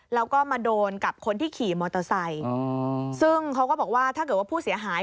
แล้วก็มาโดนกับคนที่ขี่มอเตอร์ไซค์ซึ่งเขาก็บอกว่าถ้าเกิดว่าผู้เสียหาย